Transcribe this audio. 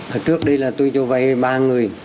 hồi trước đây là tôi cho vay ba người